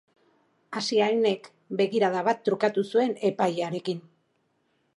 Asiainek begirada bat trukatu zuen epailearekin.